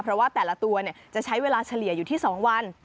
เพราะว่าแต่ละตัวจะใช้เวลาเฉลี่ยอยู่ที่๒วัน